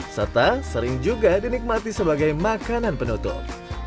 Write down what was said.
serta sering juga dinikmati sebagai makanan penutup